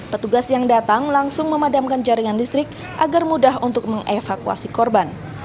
petugas yang datang langsung memadamkan jaringan listrik agar mudah untuk mengevakuasi korban